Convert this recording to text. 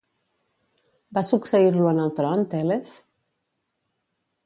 Va succeir-lo en el tron Tèlef?